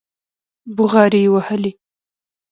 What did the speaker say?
بوغارې يې وهلې.